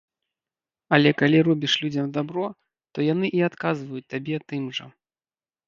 Але калі робіш людзям дабро, то яны і адказваюць табе тым жа.